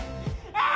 ああ！